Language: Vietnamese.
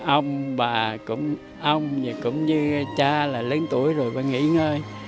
ông bà cũng như cha là lớn tuổi rồi có nghỉ ngơi